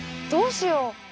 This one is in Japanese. どうしよう？